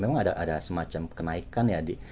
ada semacam kenaikan ya di